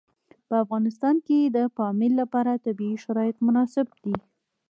په افغانستان کې د پامیر لپاره طبیعي شرایط مناسب دي.